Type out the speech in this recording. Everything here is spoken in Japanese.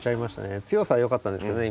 強さはよかったんですけどね